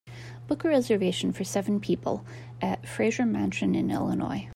Book a reservation for seven people at Fraser Mansion in Illinois